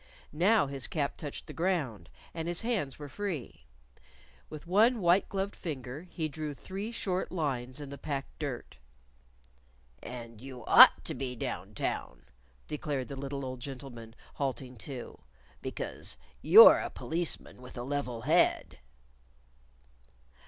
Now his cap touched the ground, and his hands were free. With one white gloved finger he drew three short lines in the packed dirt. "And you ought to be Down Town," declared the little old gentleman, halting too. "Because you're a Policeman with a level head."